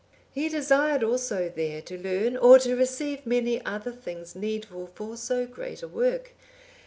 He desired also there to learn or to receive many other things needful for so great a work.